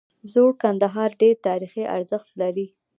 زوړ کندهار ډیر تاریخي ارزښت لري